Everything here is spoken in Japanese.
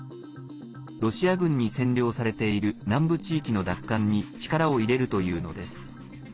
ロシア軍に占領されている南部地域の奪還に力を入れるというのです。